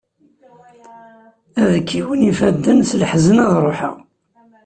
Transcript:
Ad kkiwen ifadden, s leḥzen ad ruḥeɣ.